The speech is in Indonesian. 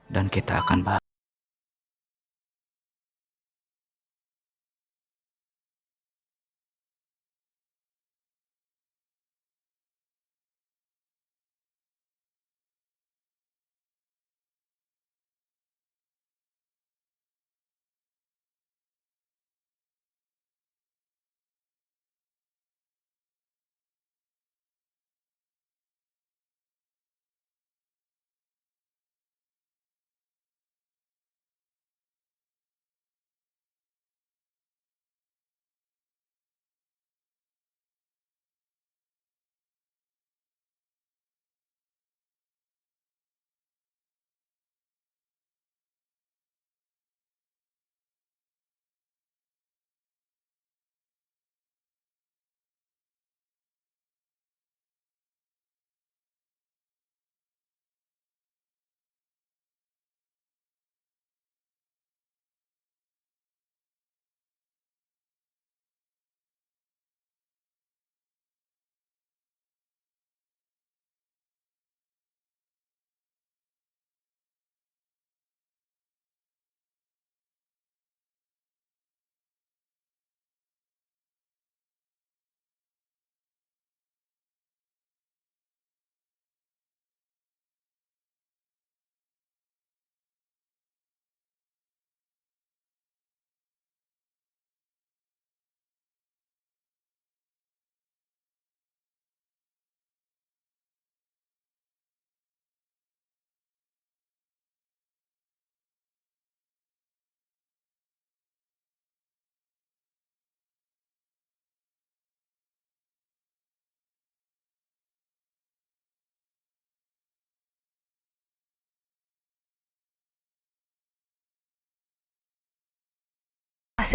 dan kita akan bahas